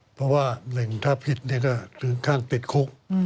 เพราะว่าถ้าผิดถึงขั้นติดคุก